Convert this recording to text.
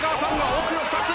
奥の２つ。